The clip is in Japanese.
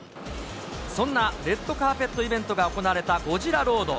そんなレッドカーペットイベントが行われたゴジラ・ロード。